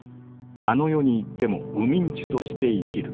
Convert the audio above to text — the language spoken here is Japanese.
あの世に行ってもウミンチュとして生きる。